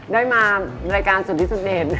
ได้มารายการสุดที่สุดเดท